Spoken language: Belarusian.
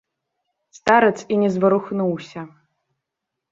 Старац і не зварухнуўся.